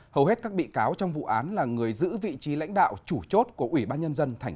hầu hết các bị cáo trong vụ án là người giữ vị trí lãnh đạo chủ chốt của ubnd tp đà nẵng